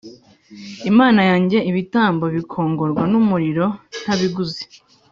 Imana yanjye ibitambo bikongorwa n umuriro ntabiguze